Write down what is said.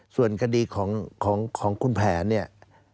ส่วนคดีของคุณแผนเนี่ย